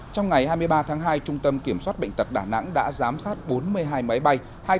trong ngày hai mươi ba tháng hai trung tâm kiểm soát bệnh tật đà nẵng đã giám sát bốn mươi hai máy bay